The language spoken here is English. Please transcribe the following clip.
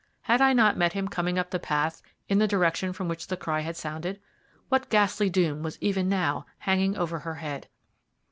Had I not met him coming up the path in the direction from which the cry had sounded? What ghastly doom was even now hanging over her head?